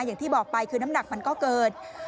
อย่างที่บอกไปคือน้ำหนักมันก็เกิด